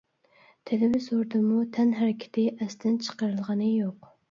تېلېۋىزوردىمۇ تەن ھەرىكىتى ئەستىن چىقىرىلغىنى يوق.